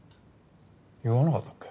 言わなかったっけ？